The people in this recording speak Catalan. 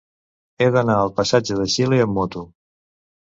He d'anar al passatge de Xile amb moto.